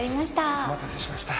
お待たせしました。